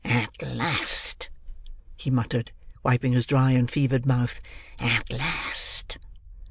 "At last," he muttered, wiping his dry and fevered mouth. "At last!"